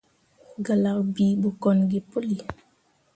Gǝlak bii ɓo kon gi puli.